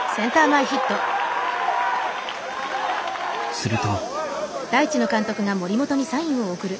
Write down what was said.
すると。